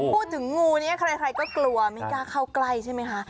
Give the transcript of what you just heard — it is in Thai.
พูดถึงงูนี้ใครก็กลัวไม่กล้าเข้าใกล้ใช่ไหมคะ